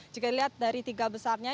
jika dilihat dari tiga besarnya